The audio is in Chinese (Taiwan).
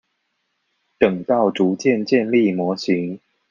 等到逐漸建立模型